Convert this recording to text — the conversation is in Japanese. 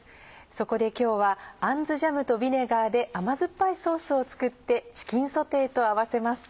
そこで今日はアンズジャムとビネガーで甘酸っぱいソースを作ってチキンソテーと合わせます。